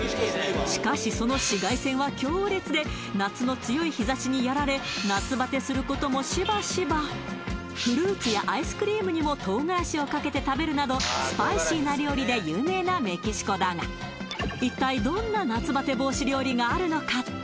しかしその紫外線は強烈で夏の強い日差しにやられ夏バテすることもしばしばフルーツやアイスクリームにも唐辛子をかけて食べるなどスパイシーな料理で有名なメキシコだが一体どんな夏バテ防止料理があるのか？